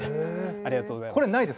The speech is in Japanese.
ありがとうございます。